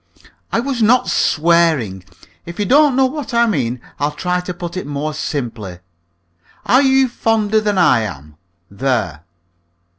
"I was not swearing. If you don't know what I mean, I'll try to put it more simply. Are you fonder than I am? There."